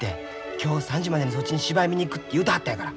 今日３時までにそっちに芝居見に行くて言うてはったんやから。